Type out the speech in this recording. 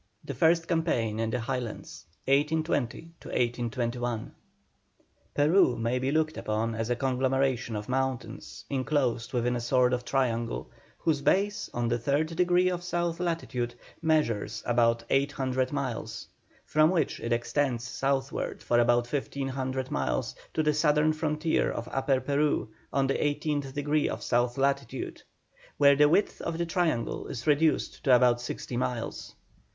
THE FIRST CAMPAIGN IN THE HIGHLANDS. 1820 1821. Peru may be looked upon as a conglomeration of mountains, enclosed within a sort of triangle, whose base on the third degree of south latitude measures about eight hundred miles, from which it extends southward for about fifteen hundred miles to the southern frontier of Upper Peru on the eighteenth degree of south latitude, where the width of the triangle is reduced to about sixty miles.